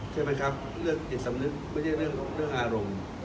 ใช่ไหมครับเรื่องจิตสำนึกไม่ใช่เรื่องอารมณ์